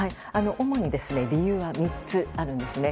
主に理由は３つあるんですね。